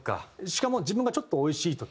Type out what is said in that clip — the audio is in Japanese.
しかも自分がちょっとおいしい時。